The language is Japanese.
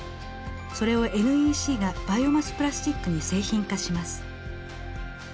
それをＮＥＣがバイオマスプラスチックに製品化します。